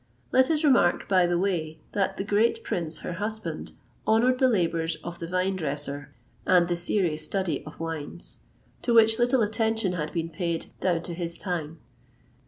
[XXVIII 140] Let us remark, by the way, that the great prince, her husband, honoured the labours of the vine dresser and the serious study of wines,[XXVIII 141] to which little attention had been paid down to his time.